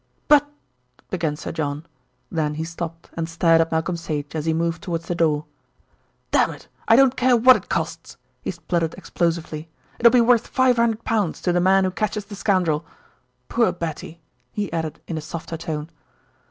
"But " began Sir John; then he stopped and stared at Malcolm Sage as he moved towards the door. "Dammit! I don't care what it costs," he spluttered explosively. "It'll be worth five hundred pounds to the man who catches the scoundrel. Poor Betty," he added in a softer tone.